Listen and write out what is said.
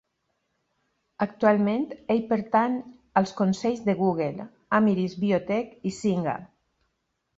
Actualment ell pertany als consells de Google, Amyris Biotech i Zynga.